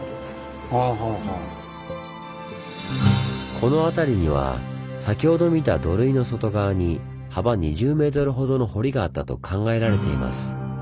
この辺りには先ほど見た土塁の外側に幅２０ｍほどの堀があったと考えられています。